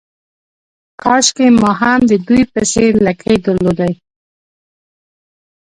کاشکې ما هم د دوی په څېر لکۍ درلودای.